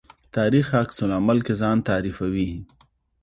تاریخ عکس العمل کې ځان تعریفوي.